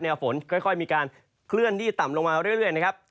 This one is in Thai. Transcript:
ฝนค่อยมีการเคลื่อนที่ต่ำลงมาเรื่อยนะครับ